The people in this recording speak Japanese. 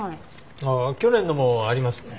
ああ去年のもありますね。